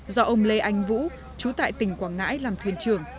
do ông lê anh vũ chú tại tỉnh quảng ngãi làm thuyền trưởng